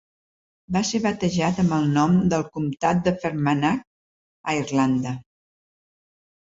Va ser batejat amb el nom del comtat de Fermanagh a Irlanda.